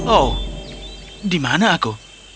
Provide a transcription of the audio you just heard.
oh di mana aku